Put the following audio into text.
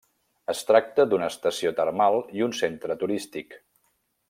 Es tracta d'una estació termal i un centre turístic.